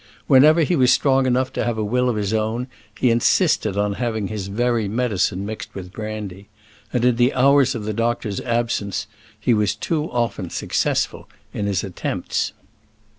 Whenever he was strong enough to have a will of his own, he insisted on having his very medicine mixed with brandy; and in the hours of the doctor's absence, he was too often successful in his attempts.